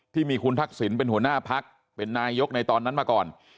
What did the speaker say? ที่มีคุณทักษิณเป็นหัวหน้าพักเป็นนายกในตอนนั้นมาก่อน